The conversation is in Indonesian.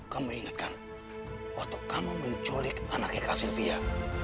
kamu ingatkan waktu kamu menculik anaknya kak sylvia